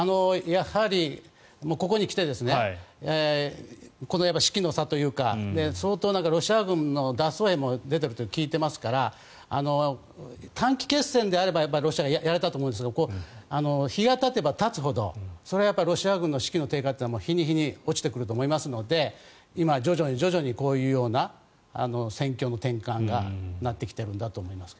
やはりここに来てこの士気の差というか相当、ロシア軍の脱走兵も出ていると聞いていますから短期決戦であればロシアはやれたと思うんですが日がたてばたつほどそれはロシア軍の士気の低下というのは日に日に落ちてくると思いますので今、徐々にこういうような戦況の転換になってきているんだと思います。